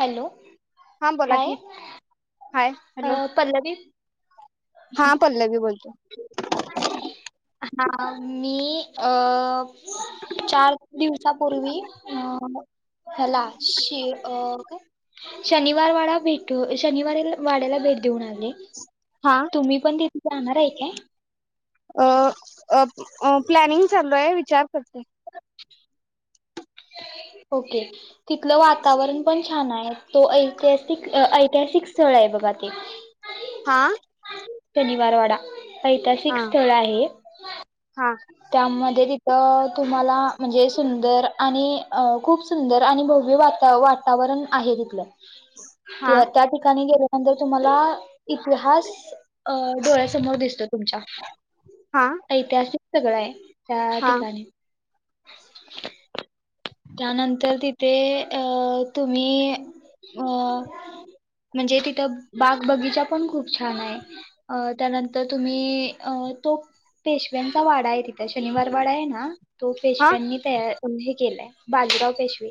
Hello हा बोला हाय कि हाय अ हॅलो पल्लवी हा पल्लवी बोलते हा चार दिवसापूर्वी अ हला शि अ का शनिवार वाडा भेटू, शनिवार वाड्याला भेट देऊन आले हा तुम्ही पण ती जाणार आहे काय अ अब अ प्लॅनिंग चालू आहे, विचार करते ओके तिथलं वातावरण पण छान आहे, तो ऐतिहासिक, ऐतिहासिक स्थळ आहे बघा ते हा शनिवार वाडा हा ऐतहासिक स्थळ आहे हा त्यामध्ये [unintelligible] अ तुम्हाला म्हणजे सुंदर आणि अ खूप सुंदर आणि भव्य वाता वातावरण आहे तिथलं. हा त्या त्या ठिकाणी गेल्यानंतर तुम्हाला इत लिहाश अ डोळ्यासमोर दिसतो तुमच्या हा ऐतिहासिक सगळं आहे. त्या हा ठिकाणी [unintelligible] त्यानंतर तिथे अ तुम्ही अ म्हणजे तिथं बाग बगिचा पण खूप छान आहे. अ त्यानंतर तुम्ही अ तो पेशव्यांचा वाडा आहे तित त्या शनिवार वाडा आहे ना? तो हा पेशव्यानी तयार [unintelligible] केलाय. बाजीराव पेशवे.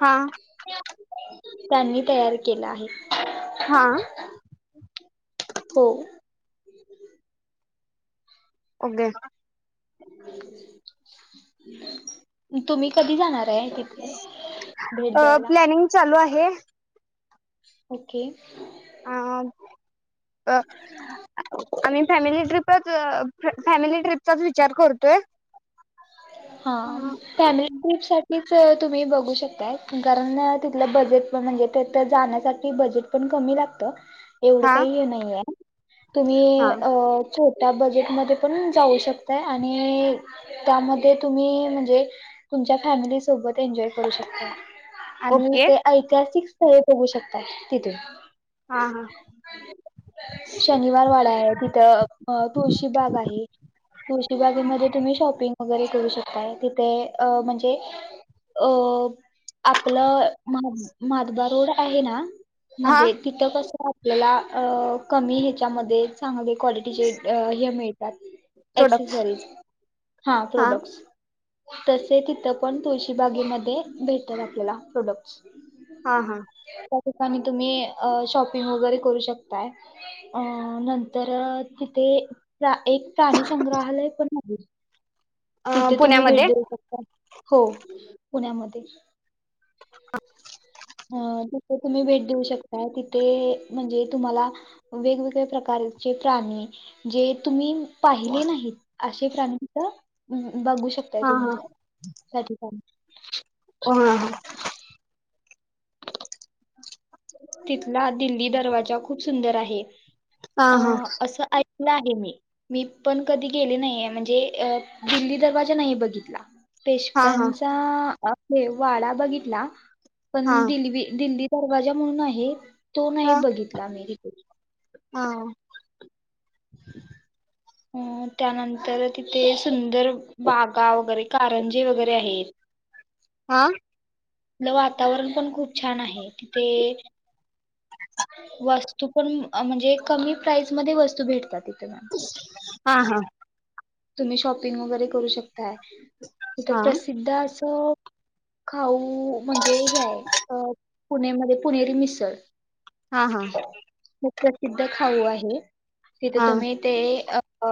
हा [unintelligible] त्यांनी तयार केला आहे. हा हो. [unintelligible] तुम्ही कधी जाणार? आहे तिथे भेट अ द्यायला प्लॅनिंग चालू आहे. ओके. अ अं आम्ही फॅमिली ट्रिपचं फॅमिली ट्रिपचाच विचार करतोय. हा फॅमिली ट्रिप साठी ट्रीपच तुम्ही बघू शकताय. कारण तिथलं बजेट पण म्हणजे तिथे, जाण्यासाठी बजेट पण कमी लागत. एवढं हा काही नाहीय. तुम्ही हा अ छोट त्या बजेटमध्ये पण जाऊ शकतय आणि त्यामध्ये तुम्ही म्हणजे तुमच्या फॅमिली सोबत एंजॉय करू शकताय. आणि ओके ते ऐतिहासिक बघू शकताय. तिथून हा हा शनिवार वाडा आहे तिथ, तुळशीबाग आहे. तुळशीबाग मधे तुम्ही शॉपिंग करू शकताय. तिथे म्हणजे अ आपलं माधवा रोड आहे ना? हा म्हणजे तिथं कसं आपल्याला अ कमी ह्याच्यामध्ये चांगले क्वालिटीचे हे मिळ त्यात प्रोडक्ट एक्सेसरीज हा प्रोडक्ट्स. तसे तिथं पण तुळशीबागेमध्ये, भेटतात आपल्याला प्रोडक्ट्स. हा हा त्या ठिकाणी तुम्ही, शॉपिंग वगैरे करू शकताय. अ नंतर तिथे प्रा एक प्राणी संग्रहालय पण आहे. तिथे तुम्ही पुण्यामध्ये भेट देऊ शकता. हो पुण्यामध्ये. ह अ तिथे तुम्ही भेट देऊ शकताय तिथे, म्हणजे तुम्हाला वेगवेगळ्या प्रकारचे प्राणी. जे तुम्ही पाहिले नाहीत अश- प्राणी तीथ बघू शकताय हा हा तुम्ही हा ह तिथला दिल्ली, दरवाजा खूप सुंदर आहे. हा अ हा असं ए आहे मी मी पण कधी गेले नाहीये, म्हणजे अ दिल्ली दरवाजा नाही बघितला. हा हा पेशव्यांचा... अ ते वाडा बघितला. पण दिल्वी दिल्ली. वाजा म्हणून आहे. तो नाही हा बघितला मी रिपोट. हा [inaudible] अ त्यानंतर तिथे सुंदर बागा वगैरे कारंजे वगैरे आहेत. आ तिथलं वातावरण पण खूप छान आहे तिथे वस्तू पण अ म्हणजे कमी प्राईस मध्ये वस्तू भेटतात तिथे. [unintelligible] हा हा. तुम्ही शॉपिंग वगैरे करू शक ताय. तिथ हा प्रसिद्ध अस तर खाऊ वू म्हणजे हे आय [unintelligible] पुणेमध्ये पुणेरी मिसळ. हा हा खूप प्रसिद्ध खाऊ आहे. होय. तिथं हा तुम्ही ते अ अ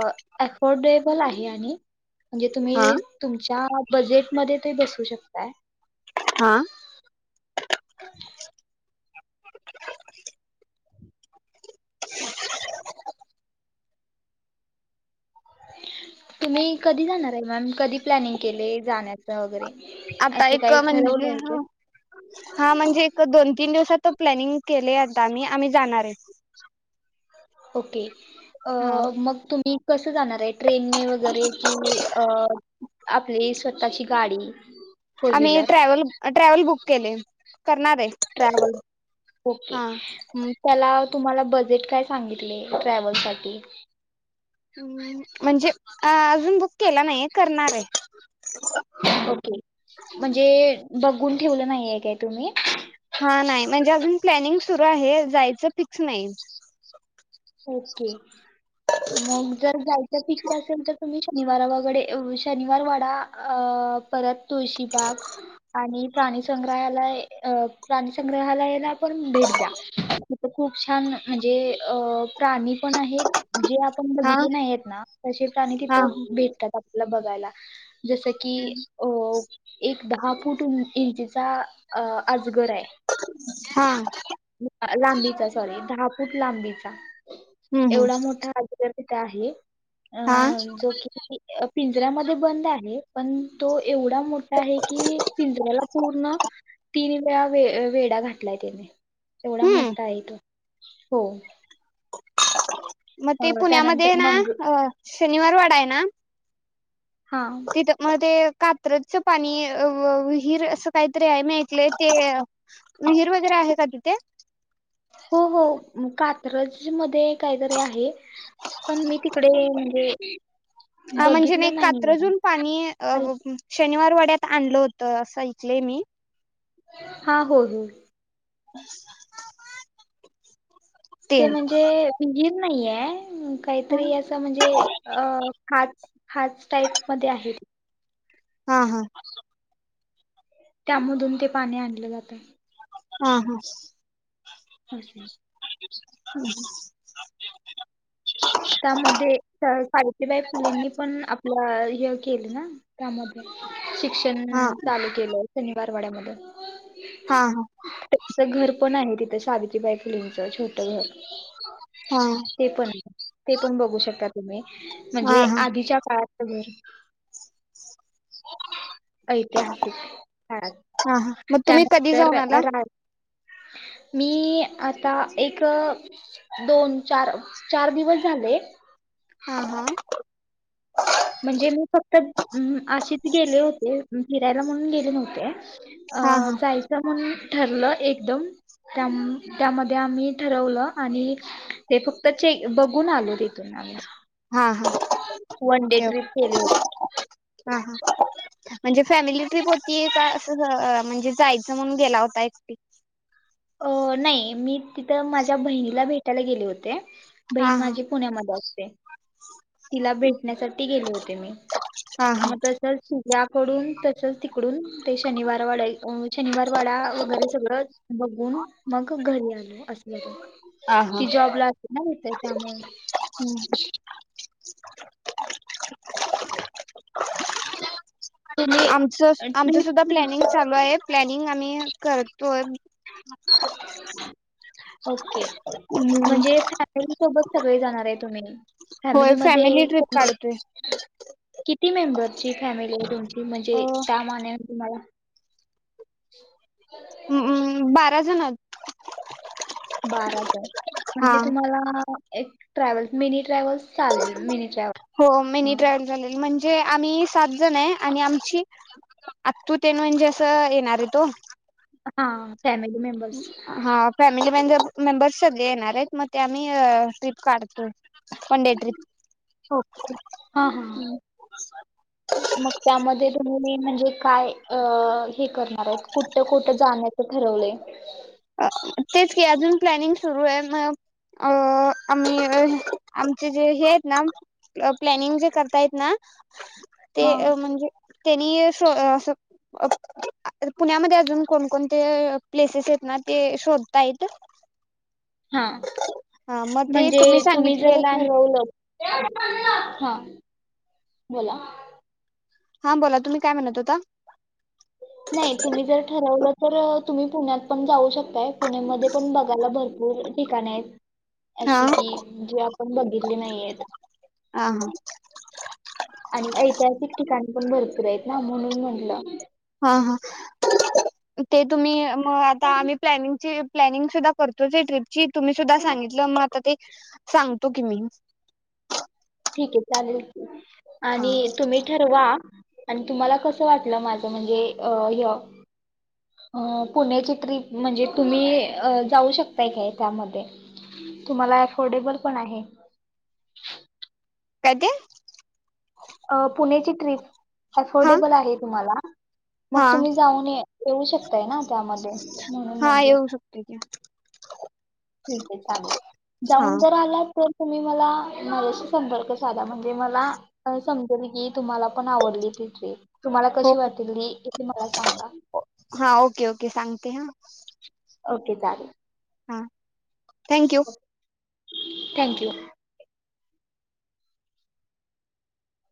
एकॉर्डेड बल आहे आणि म्हणजे हा तुम्ही तुमच्या बजेटमध्ये ते बसवू शकताय. हां. [inaudible] [unintelligible] तुम्ही कधी जाणार आहे मॅम? कधी प्लनिंग केलय जाण्याचं वगैरे? आता असं एक काही म्हणजे ठरवलं आहे का हं हा म्हणजे एक, दोन, तीन दिवसात प्लॅनिंग केलय आज. अता आम्ही-आम्ही जाणारचं. ओके. अ मग तुम्ही कसं जाणार आहे? ट्रेन ने वगैरे कि? अ आपली स्वतःची गाडी फोर आम्ही व्हीलर ट्रॅव्हल-ट्रॅव्हल बुक केले. करणार आहे ट्रॅव्हल ओके. हा अं त्याला तुम्हाला बजेट काय सांगितले, ट्रॅव्हल साठी? म्हणजे अ अजून, बुक केला नाही करणार आहे. ओके, म्हणजे बघून ठेवलं नाहीये काय तुम्ही? हा नाही म्हणजे अजून प्लॅनिंग सुरू आहे, जायचं फिक्स नाही. ओके, मग जर जायच फिक्स असेल तर तुम्ही निवारा वगेडे शनिवार वाडा, अ परत तुळशीबाग, आणि प्राणीसंग्रहालय, अ प्राणीसंग्रहालयाला पण भेट द्या तिथ खूप छान म्हणजे अ प्राणी पण आहेत, जे आपण हा बघितले नाही आहेत ना तसे प्राणी हा तिथं भेटतात. बघायला. जसं की अ एक दहा फूट इंचचा अ आजगर आहे. हा लांबीचा सॉरी, दहा फूट लांबीचा. हम्म हम्म एवढा मोठा आजगर तिथं आहे. अ हा जो कि पिंजऱ्यामध्ये बंद आहे. पण तो एवढा मोठा आहे. की पिंजऱ्याला पूर्ण तीन वेळा वे वेडा घातलाय. त्याने येवढा हम्म मोठा आहे तो. हो मग अ, ते पुण्यामध्ये त्यानंतर ना मंग अ शनिवार वाडा आहे. ना हा तिथं म ते कात्रचं पाणी विहीर असं काहीतरी आहे. मी आइकलयं ते विहीर वगैरे आहे. का तिथे हो हो कात्रज मध्ये काहीतरी आहे. पण मी तिकडे म्हणजे म्हणजे बघितलं नाही. कात्रजून ड्यात आणल होत. असं ऐकले मी. हा हो हो [unintelligible] ते म्हणजे विहीर, नाहीये. काहीतरी असं म्हणजे अ खाच खाच टाईपमध्ये आहे. हा हा त्यामधून ते पाणी आणलं जातं. हा हा असं [unintelligible] हम् हम् त्यामध्ये सावित्रीबाई फुलेंनी पण आप ल्या हे केली ना. त्यामध्ये शिक्षण हा चालू केलं. शनिवारवाड्यामध्ये. हा हा. तिथे घर पण आहे, तिथं शावित्रीबाई फुलेन चा छोटं घर हा ते पण ते पण बघू शक का तुम्ही हा म्हणजे, हा आधीच्या काळात त घर ऐतिहासिक हाय, हा हा मग तुम्ही कधी त्यानंतर जाऊन आला राज मी आता एक, दोन, चार, चार दिवस झाले. हा हा. म्हणजे मी फक्त आशिच गेले होते फिरायला, म्हणून गेले नव्हते. अ हा हा जायचा म्हण ठरलं एकदम त्याम त्यामध्ये आम्ही ठरवलं आणि ते फक्त चे बघून आलो ते. [unintelligible] हा हा one day okay trip okay केली होती. हा हा म्हणजे फॅमिली ट्रिप होती का असंच अ म्हणजे जायचं म्हणून गेला होता एकटी. अ नाही मी तिथं माझ्या बहिणीला भेट टायला गेले होते. हा बहीण हा माझी पुण्यामध्ये असते. तिला भेटण्यासाठी गेले होते मी, हा हा मग तसचं ती याकडून तसचं तिकडून ते शनिवार वाडा ओय शनिवार वाडा वगैरे सगळं बघून मग घरी आले. असलं तर हा हा ती जॉब ला नाही येतेय त्यामुळे [inaudible] ह [unintelligible] आमचं आमचं सुद्धा प्लॅनिंग चालू आहे प्लॅनिंग आम्ही करतोय. ओके म्हणजे फॅमिली सोबत सगळे जाणार आहे तुम्ही? होय फॅमिलीमध्ये फॅमिली ट्रिप कोण? काढतोय किती मेंबर्? ची फॅमिली आहे तुमची? अ म्हणजे का मान तुम्हाला. ऊं ऊं बारा जण आहोत. बाराजन हा म्हणजे तुम्हाला एक ट्रॅव्हल्स मिनी ट्रॅव्हल्स. चालेल मिनी हो मिनी ट्रॅव्हल ट्राव्हल चालेल म्हणजे म्हणजे आम्ही सात जण आहे आणि आमची आत्तु तेन म्हणजे असं येणार येत हो. हां. फॅमिली मेंबर्स हा फॅमिली मेंबर. मेंबर्स सगळे येणार आहेत मग ते आम्ही ट्रिप काढतोय. वन डे ट्रिप हा हा मग त्यामध्ये तुम्ही मेन म्हणजे काय हे करणार आहेत कुठं कुठं जाण्याचं ठरवलंय? तेच की अजून प्लॅनिंग सुरू आहे. मग अं आम्ही आमचे जे हे आहेत ना प्लॅनिंग जे करतायेत ना हां ते म्हणजे त्यांनी असं पुण्यामध्ये अजून कोणकोणते प्लेसेस आहेत ना. ते शोधता येत हा हा मग ते म्हणजे तुम्ही जर सांगितलेलं ठरवलं हां बोला. हा बोला तुम्ही काय म्हणत होता? नाही तुम्ही जर ठरवलं तर तुम्ही पुण्यात पण जाऊ शकताय. पुणे मध्ये पण बघायला भरपूर ठिकाण आहे. हा अशी कि जे आपण बघितले नाहीये. हा हा आणि ऐतिहासिक ठिकाण पण भरपूर आहेत ना म्हणून म्हटलं हां हां ते तुम्ही हो आता आम्ही प्लॅनिंगची प्लॅनिंग सुद्धा करतोच आहे ट्रिप जी तुम्ही सुद्धा सांगितलं मग आता ते सांगतो कि मी ठीक आहे चालेल. हा आणि तुम्ही ठरवा आणि तुम्हाला कसं वाटलं माझ म्हणजे अ य पुण्याची ट्रिप म्हणजे तुम्ही जाऊ शकताय का त्यामध्ये? तुम्हाला अफोर्डेबल पण आहे. काय ते? अ पुण्याची ट्रिप हा अफोर्डेबल आहे तुम्हाला हा मग तुम्ही जाऊन ये येऊ शकताय ना त्यामध्ये म्हणून हा म्हटलं येऊ शकते की ठीक आहे चालेल हा जाऊन तर आलात तर तुम्ही मला माझ्याशी संपर्क साधा म्हण ते मला [unintelligible] त्यांनी गीत तुम्हाला पण आवडली ती ट्रिप तुम्हाला हो कशी वाटली ती मला सांगा. हा ओके ओके सांगते हा ओके चालेल. हा थँक्यू थँक यू